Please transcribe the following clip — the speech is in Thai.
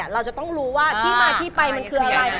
เราจะต้องรู้ว่าที่มาที่ไปมันคืออะไร